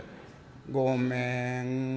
「ごめん。